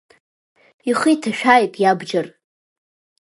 Ихы иҭашәааит иабџьар!